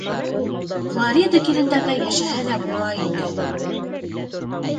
Флорида килендәрҙә йәшәһә лә була инде...